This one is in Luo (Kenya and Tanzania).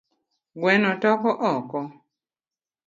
Gueno toko oko